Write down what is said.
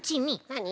なに？